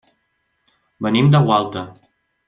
Venim de Gualta.